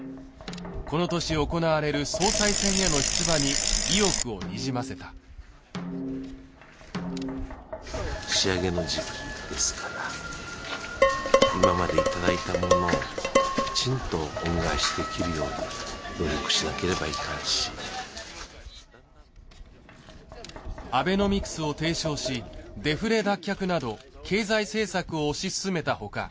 この年行われる総裁選への出馬に意欲をにじませた仕上げの時期ですから今までいただいたものをきちんと恩返しできるように努力しなければいかんしアベノミクスを提唱しデフレ脱却など経済政策を推し進めたほか